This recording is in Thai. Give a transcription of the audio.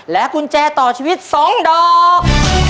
กุญแจต่อชีวิต๒ดอก